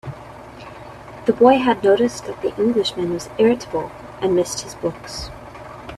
The boy had noticed that the Englishman was irritable, and missed his books.